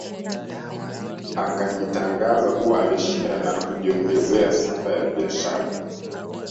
Akajitangaza kuwa alishinda na kujiongezea sifa ya biashara